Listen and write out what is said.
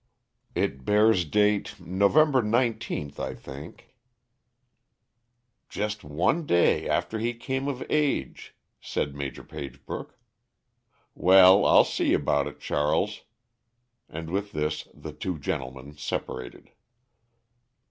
"It bears date November 19th, I think." "Just one day after he came of age," said Maj. Pagebrook. "Well, I'll see about it, Charles," and with this the two gentlemen separated.